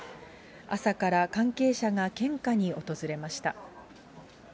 朝から関係者が献花に訪れました。